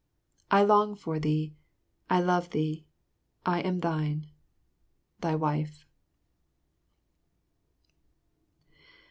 I long for thee, I love thee, I am thine. Thy Wife.